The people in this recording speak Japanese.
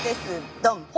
ドン！